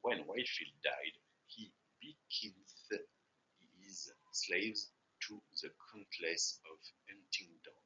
When Whitefield died, he bequeathed his slaves to the Countess of Huntingdon.